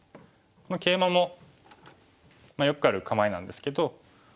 ケイマもよくある構えなんですけど。